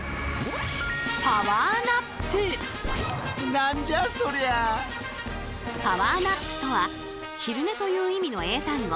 今それはパワーナップとは昼寝という意味の英単語